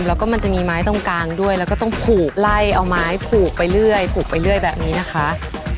แล้วก็มันจะมีไม้ตรงกลางด้วยแล้วก็ต้องผูกไล่เอาไม้ผูกไปเรื่อยผูกไปเรื่อยแบบนี้นะคะ